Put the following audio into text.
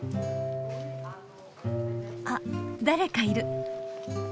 あ誰かいる。